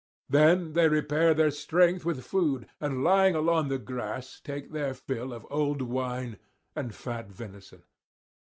Then they repair their strength with food, and lying along the grass take their fill of old wine and fat venison.